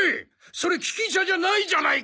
それきき茶じゃないじゃないか！